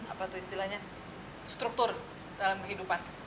apa tuh istilahnya struktur dalam kehidupan